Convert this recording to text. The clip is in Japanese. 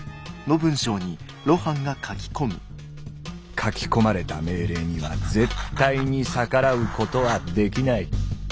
書き込まれた命令には絶対に逆らうことはできない。